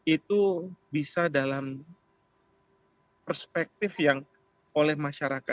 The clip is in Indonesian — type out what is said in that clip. itu bisa dalam perspektif yang oleh masyarakat